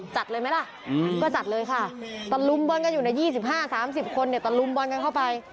ตะลุมบอนกันเข้าไป